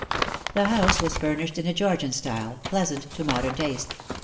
The house was furnished in a Georgian style, pleasant to modern taste.